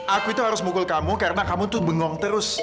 aku itu harus mukul kamu karena kamu tuh bengong terus